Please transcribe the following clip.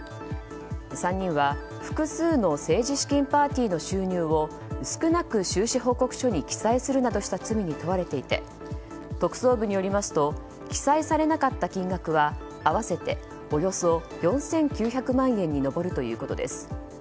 ３人は複数の政治資金パーティーの収入を少なく収支報告書に記載するなどした罪に問われていて特捜部によりますと記載されなかった金額は合わせておよそ４９００万円に上るということです。